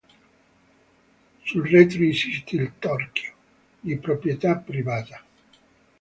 Sul retro insiste il "torchio" di proprietà privata.